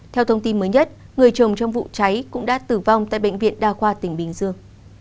theo thông tin mới nhất người chồng trong vụ cháy cũng đã tử vong tại bệnh viện đa khoa tỉnh bình dương